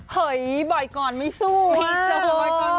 เฮ้ยบ่อยก่อนไม่สู้ว่าต่อแบบเรียบ